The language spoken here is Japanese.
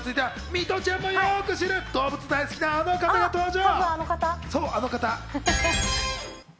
ミトちゃんをよく知る動物大好きなあの方の登場。